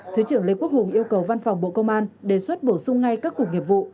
thứ trưởng lê quốc hùng yêu cầu văn phòng bộ công an đề xuất bổ sung ngay các cục nghiệp vụ